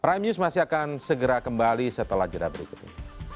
prime news masih akan segera kembali setelah jadwal berikutnya